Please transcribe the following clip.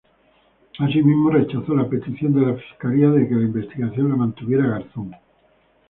Asimismo rechazó la petición de la Fiscalía de que la investigación la mantuviera Garzón.